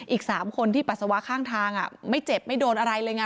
อีก๓คนที่ปัสสาวะข้างทางไม่เจ็บไม่โดนอะไรเลยไง